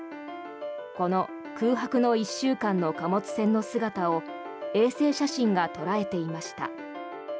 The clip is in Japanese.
この空白の１週間の貨物船の姿を衛星写真が捉えていました。